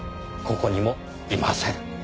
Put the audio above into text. ここにもいません。